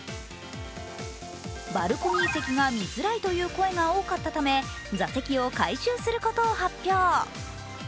バルコニー席が見づらいという声が多かったため、座席を改修することを発表。